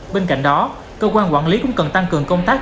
bên cạnh đó cơ quan quản lý cũng cần tăng cường công tác